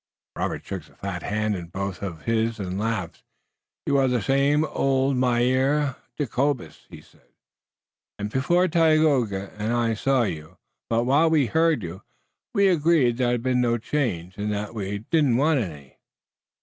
Robert shook the fat hand in both of his and laughed. "You are the same as of old, Mynheer Jacobus," he said, "and before Tayoga and I saw you, but while we heard you, we agreed that there had been no change, and that we did not want any."